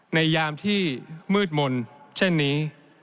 ยามที่มืดมนต์เช่นนี้